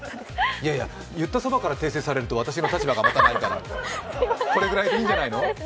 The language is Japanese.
いえいえ、言ったそばから訂正されると私の立場がないからこれぐらいでいいんじゃないの？